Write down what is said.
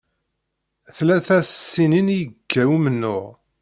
Tlata tsinin i yekka umennuɣ.